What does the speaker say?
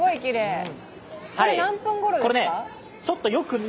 これ何分ごろですか？